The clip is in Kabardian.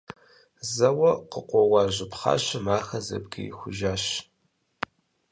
Зэуэ къыкъуэуа жьы пхъашэм ахэр зэбгрихужащ.